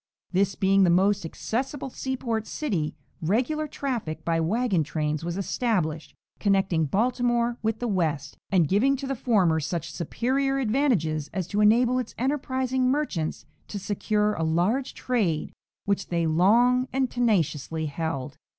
This being the most accessible seaport city, regular traffic by wagon trains was established, connecting Baltimore with the West, and giving to the former such superior advantages as to enable its enterprising merchants to secure a large trade, which they long and tenaciously held.